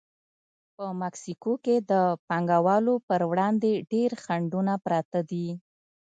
په مکسیکو کې د پانګوالو پر وړاندې ډېر خنډونه پراته دي.